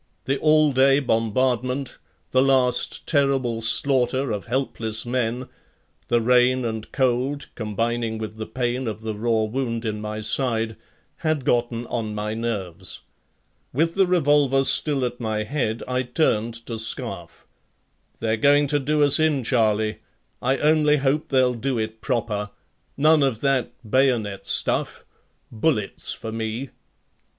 The all day bombardment, the last terrible slaughter of helpless men, the rain and cold, combining with the pain of the raw wound in my side, had gotten on my nerves. With the revolver still at my head I turned to Scarfe: "They're going to do us in, Charlie. I only hope they'll do it proper. None of that bayonet stuff. Bullets for me."